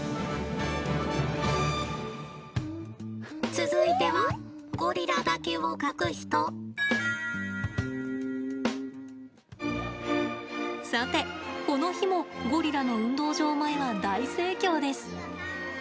続いてはさて、この日もゴリラの運動場前は大盛況です。